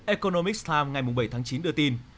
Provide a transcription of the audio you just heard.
economics times ngày bảy chín đưa tin